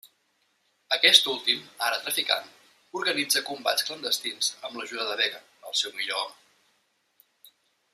Aquest últim, ara traficant, organitza combats clandestins amb l'ajuda de Vega, el seu millor home.